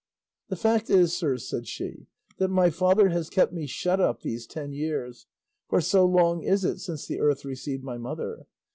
"The fact is, sirs," said she, "that my father has kept me shut up these ten years, for so long is it since the earth received my mother.